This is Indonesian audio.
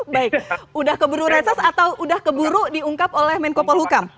baik udah keburu reses atau udah keburu diungkap oleh menko polhukam